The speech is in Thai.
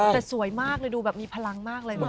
แต่สวยมากเลยดูแบบมีพลังมากเลย